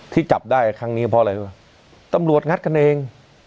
ที่จับได้ครั้งนี้เพราะอะไรรู้ป่ะตำรวจงัดกันเอง